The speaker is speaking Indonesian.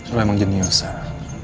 lo emang jenius sarah